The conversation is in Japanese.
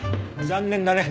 残念だね。